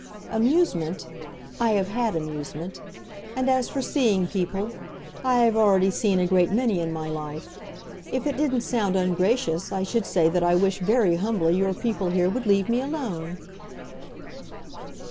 Amusement? I have had amusement. And as for seeing people—I have already seen a great many in my life. If it didn't sound ungracious I should say that I wish very humbly your people here would leave me alone!"